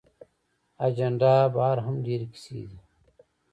اجندا بهر هم ډېرې کیسې دي.